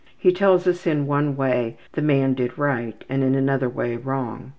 He tells us in one way the man did right and in another way wrong.